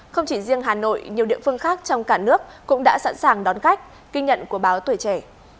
không chỉ riêng hà nội nhiều địa phương khác trong cả nước cũng đã sẵn sàng đón khách ghi nhận của báo tuổi trẻ